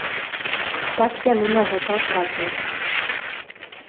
Так яны на гэта адказваюць.